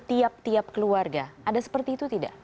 tiap tiap keluarga ada seperti itu tidak